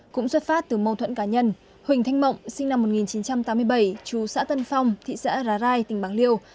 cũng xuất phát từ mâu thuẫn cá nhân huỳnh thanh mộng sinh năm một nghìn chín trăm tám mươi bảy chú xã tân phong thị xã rai tỉnh bạc liêu